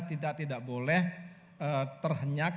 tidak tidak boleh terhenyak